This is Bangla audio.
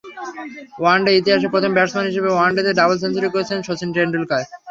ওয়ানডে ইতিহাসে প্রথম ব্যাটসম্যান হিসেবে ওয়ানডেতে ডাবল সেঞ্চুরি করেছিলেন শচীন টেন্ডুলকার।